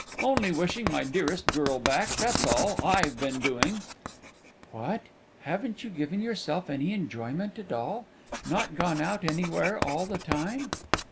"Only wishing my dearest girl back, that's all I've been doing." "What! haven't you given yourself any enjoyment at all not gone out anywhere all the time?"